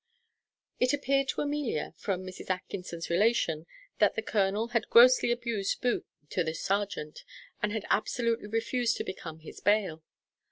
It appeared to Amelia, from Mrs. Atkinson's relation, that the colonel had grossly abused Booth to the serjeant, and had absolutely refused to become his bail.